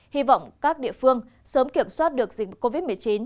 hy vọng các địa phương sớm kiểm soát được dịch covid một mươi chín